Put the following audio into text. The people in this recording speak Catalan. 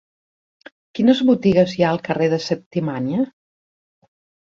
Quines botigues hi ha al carrer de Septimània?